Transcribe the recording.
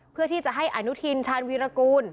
เพื่อที่จะให้อนุทินชาญวีรกูล